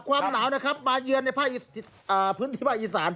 ความหนาวนะครับมาเยือนในภาคพื้นที่ภาคอีสาน